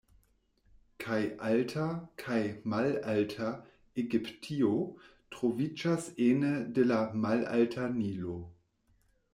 Kaj Alta kaj Malalta Egiptio troviĝas ene de la Malalta Nilo.